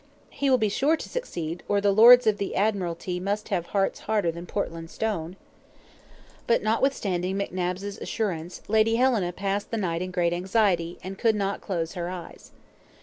"He will be sure to succeed, or the Lords of the Admiralty must have hearts harder than Portland stone." But, notwithstanding McNabbs's assurance, Lady Helena passed the night in great anxiety, and could not close her eyes.